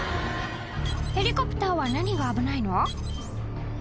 ヘリコプターは何が危ないの？